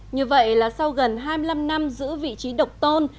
như vậy là sau gần hai mươi năm năm giữ vị trí độc tôn